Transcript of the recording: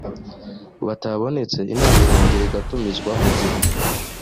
batabonetse inama irongera igatumizwa mu gihe